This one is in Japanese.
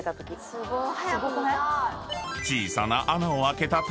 すごーい！